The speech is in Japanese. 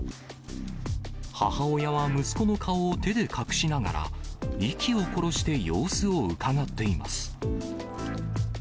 母親は息子の顔を手で隠しながら、息を殺して様子をうかがっています。